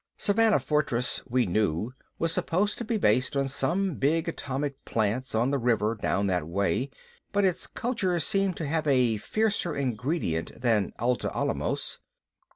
Savannah Fortress, we knew, was supposed to be based on some big atomic plants on the river down that way, but its culture seemed to have a fiercer ingredient than Atla Alamos.